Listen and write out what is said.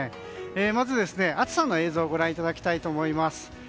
まず、暑さの映像をご覧いただきたいと思います。